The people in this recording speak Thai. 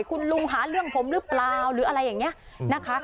คุณลุงหาเรื่องผมหรือเปล่าหรืออะไรอย่างนี้นะคะ